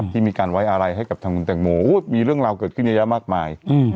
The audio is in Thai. ที่มีการไว้อะไรให้กับทางคุณแตงโมมีเรื่องราวเกิดขึ้นเยอะแยะมากมาย